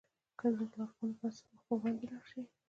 که د دغو لارښوونو پر اساس مخ پر وړاندې ولاړ شئ.